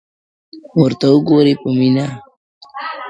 ورته وگورې په مــــــيـــنـــه~